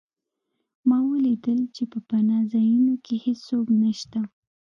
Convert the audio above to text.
ما ولیدل چې په پناه ځایونو کې هېڅوک نشته